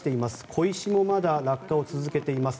小石もまだ落下を続けています。